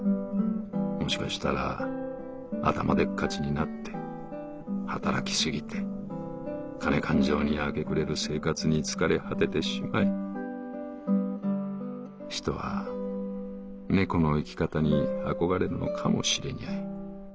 もしかしたら頭でっかちになって働き過ぎて金勘定に明け暮れる生活に疲れ果ててしまい人は寝子の生き方に憧れるのかもしれにゃい。